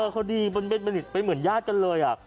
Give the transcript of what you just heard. เขาดีบรรดีเหมือนย่าเกินเลย